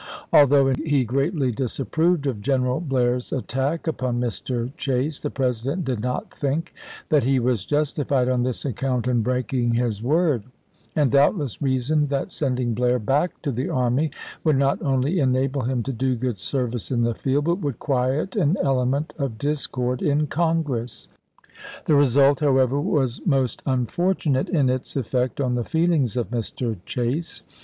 Although he greatly disapproved of General Blair's attack upon Mr. Chase, the President did not think that he was justified on this account in breaking his word; and doubtless reasoned that sending Blair back to the army would not only enable him to do good service in the field, but would quiet an element of discord in Congress. THE RESIGNATION OF MB. CHASE 81 The result, however, was most unfortunate in its chap. iv. effect on the feelings of Mr. Chase.